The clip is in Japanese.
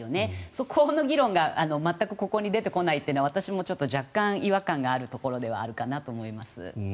そこの議論が全くここに出てこないのは私もちょっと若干、違和感があるところではあるかなと思います。